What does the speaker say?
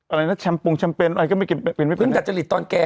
อะไรนะแชมปุงแชมเป็นอะไรก็ไม่กินเป็นเป็นไม่เป็นพึ่งจัดจะหลีดตอนแก่